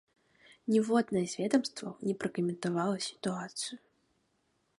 Ніводнае з ведамстваў не пракаментавала сітуацыю.